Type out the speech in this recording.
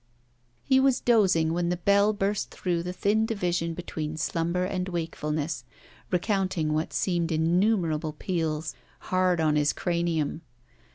He was dozing when the Bell burst through the thin division between slumber and wakefulness, recounting what seemed innumerable peals, hard on his cranium.